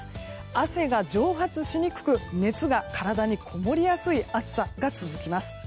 汗が蒸発しにくく熱が体にこもりやすい暑さが続きます。